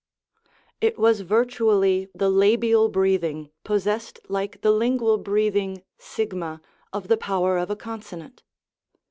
It was virtually the labial breathing, possessed like the lingual breathing a of the power of a consonant.